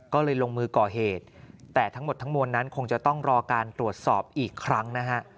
ก็เลยลงมือก่อเหตุแต่ทั้งหมดทั้งมวลนั้นคงจะต้องรอการตรวจสอบอีกครั้งนะฮะ